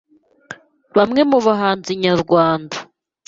Bamwe mu bahanzi nyarwanda